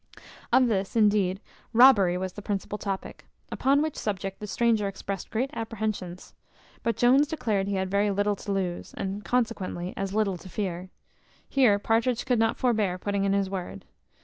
Of this, indeed, robbery was the principal topic: upon which subject the stranger expressed great apprehensions; but Jones declared he had very little to lose, and consequently as little to fear. Here Partridge could not forbear putting in his word.